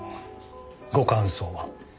ご感想は？